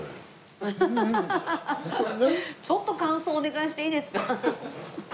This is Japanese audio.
ちょっと感想お願いしていいですか？